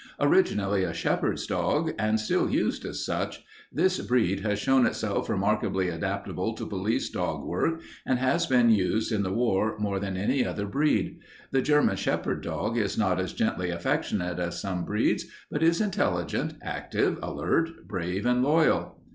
Originally a shepherd's dog, and still used as such, this breed has shown itself remarkably adaptable to police dog work and has been used in the war more than any other breed. The German shepherd dog is not as gently affectionate as some breeds, but is intelligent, active, alert, brave, and loyal.